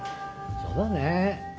そうだねぇ。